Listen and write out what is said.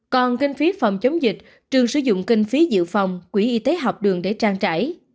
còn kinh phí phòng chống dịch trường sử dụng kinh phí dự phòng quỹ y tế học đường để trang trải